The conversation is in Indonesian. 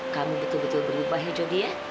kamu betul betul berubah ya jody ya